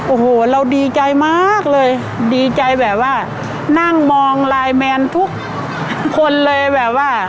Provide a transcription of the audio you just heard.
โอ้โหเราดีใจมากเลยดีใจแบบว่านั่งมองไลน์แมนทุกคนเลยแบบว่า